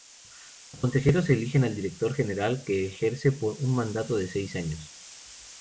Los consejeros eligen al director general, que ejerce por un mandato de seis años.